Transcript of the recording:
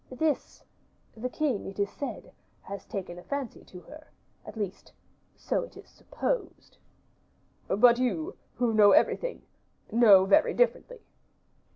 "This. The king, it is said, has taken a fancy to her; at least, so it is supposed." "But you, who know everything, know very differently."